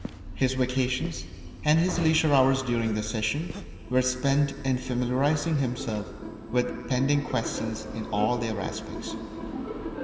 His vacations and his leisure hours during the session were spent in familiarising himself with pending questions in all their aspects.